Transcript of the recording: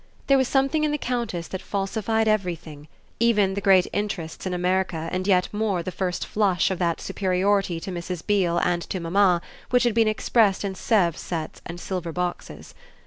There was something in the Countess that falsified everything, even the great interests in America and yet more the first flush of that superiority to Mrs. Beale and to mamma which had been expressed in Sèvres sets and silver boxes.